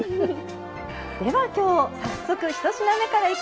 では今日早速１品目からいきましょう。